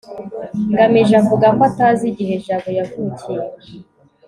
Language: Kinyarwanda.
ngamije avuga ko atazi igihe jabo yavukiye